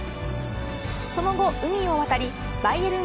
その後、海を渡りバイエルン